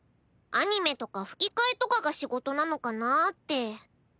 アニメとか吹き替えとかが仕事なのかなぁって。